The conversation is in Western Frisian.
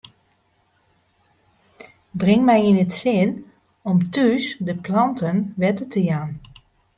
Bring my yn it sin om thús de planten wetter te jaan.